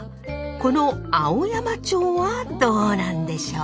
この「青山町」はどうなんでしょう？